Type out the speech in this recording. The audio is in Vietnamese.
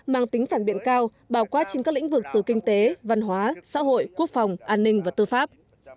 mang tính phản biện cao bào quát trên các lĩnh vực từ kinh tế văn hóa xã hội quốc phòng an ninh và tư pháp